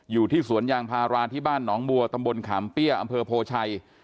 อยู่ที่สวนยางพาราที่บ้านหนองบัวตำบลขามเปี้ยอำเภอโพชัย